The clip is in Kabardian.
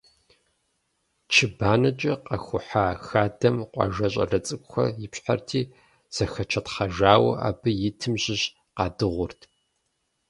Чы банэкӏэ къэхухьа хадэм къуажэ щӏалэ цӏыкӏухэр ипщхьэрти, зэхэчэтхъэжауэ абы итым щыщ къадыгъурт.